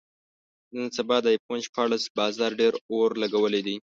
نن سبا د ایفون شپاړس بازار ډېر اور لګولی دی.